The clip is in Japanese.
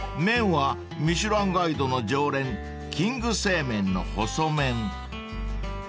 ［麺は『ミシュランガイド』の常連キング製麺の細麺］